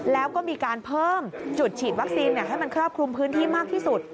แล้วก็มีการเพิ่มจุดฉีดวัคซีนให้มันครอบคลุมพื้นที่มากที่สุด